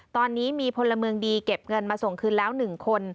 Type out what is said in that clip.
ตอนนี้มีพลเมืองดีเก็บเงินมาส่งคืนแล้ว๑คน